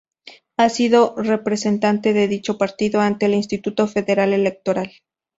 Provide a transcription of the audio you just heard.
Ha sido representante de dicho partido ante el Instituto Federal Electoral.